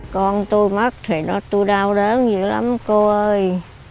con tôi mất thì tôi đau đớn nhiều lắm cô ơi